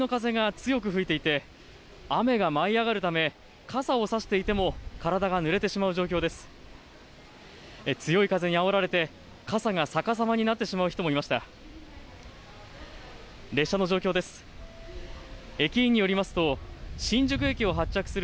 強い風にあおられて、傘が逆さまになってしまう人もいました。